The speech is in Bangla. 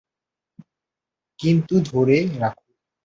কিন্তু, ধরে রাখো।